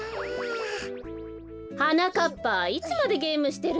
はなかっぱいつまでゲームしてるの？